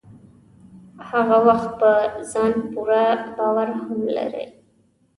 هغه وخت په ځان پوره باور هم لرئ.